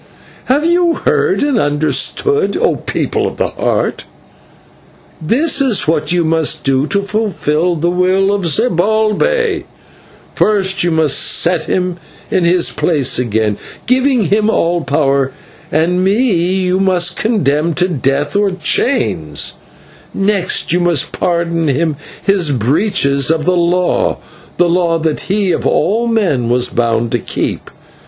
Have you heard and understood, O people of the Heart? This is what you must do to fulfil the will of Zibalbay: First, you must set him in his place again, giving him all power, and me you must condemn to death or chains; next, you must pardon him his breaches of the law the law that he of all men was bound to keep.